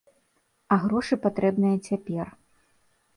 А грошы патрэбныя цяпер.